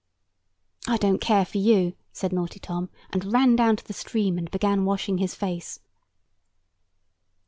"I don't care for you," said naughty Tom, and ran down to the stream, and began washing his face.